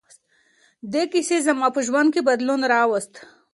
دې کیسې زما په ژوند کې بدلون راوست.